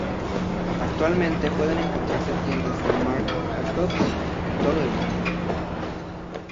Actualmente, pueden encontrarse tiendas de Marc Jacobs por todo el mundo.